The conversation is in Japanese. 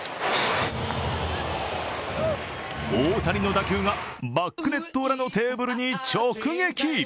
大谷の打球がバックネット裏のテーブルに直撃。